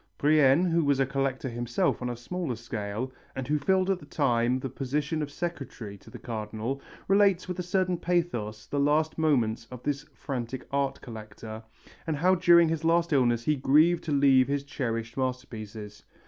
] Brienne, who was a collector himself on a smaller scale, and who filled at the time the position of secretary to the Cardinal, relates with a certain pathos the last moments of this frantic art collector, and how during his last illness he grieved to leave his cherished masterpieces.